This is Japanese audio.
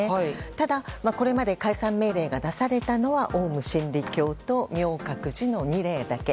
ただ、これまで解散命令が出されたのはオウム真理教と明覚寺の２例だけ。